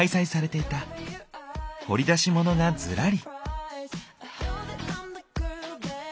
掘り出しモノがずらり。